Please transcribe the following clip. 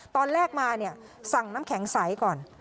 ตอนแรกมาเนี่ยสั่งน้ำแข็งใสก่อน